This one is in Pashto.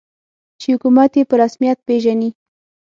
چې حکومت یې په رسمیت پېژني.